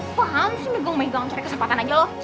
apaan sih lo megang megang cari kesempatan aja lo